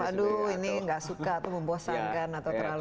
aduh ini nggak suka atau membosankan atau terlalu